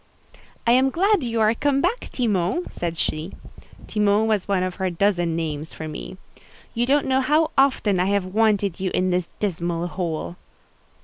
"I am glad you are come back, Timon," said she. Timon was one of her dozen names for me. "You don't know how often I have wanted you in this dismal hole."